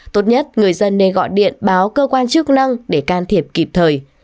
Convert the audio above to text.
tốt nhất người dân nên gọi điện báo cơ quan chức năng để can thiệp kịp thời